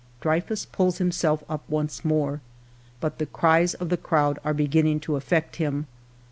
" Dreyfus pulls himself up once more, but the cries of the crowd are beginning to affect him.